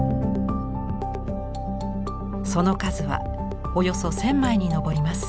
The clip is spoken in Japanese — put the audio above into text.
その数はおよそ１０００枚に上ります。